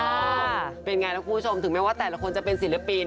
เป็นไงนะคุณผู้ชมถึงแม้ว่าแต่ละคนจะเป็นศิลปิน